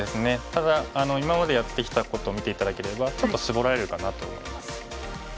ただ今までやってきたこと見て頂ければちょっと絞られるかなと思います。